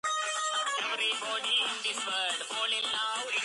მთავარ როლებში მონაწილეობენ შერონ სტოუნი და უილიამ ბოლდუინი.